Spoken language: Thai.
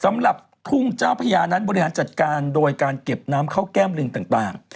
สำหรับทุ่งเจ้าพญานั้นบริหารจัดการโดยการเก็บน้ำเข้าแก้มลิงต่าง